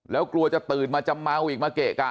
แล้วกลัวจะตื่นมาจะเมาอีกมาเกะกะ